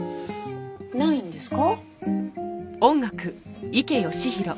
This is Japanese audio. ないんですか？